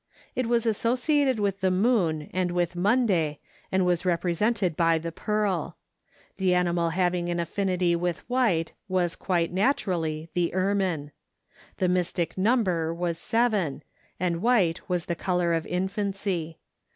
It was associated with the moon and with Monday and was represented by the pearl. The animal having an affinity with white was quite naturally the ermine. The mystic number was seven, and white was the color of infancy.